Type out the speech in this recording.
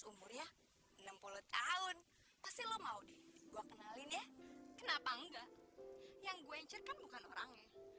umurnya enam puluh tahun pasti lo mau deh gue kenalin ya kenapa enggak yang gue encer kan bukan orangnya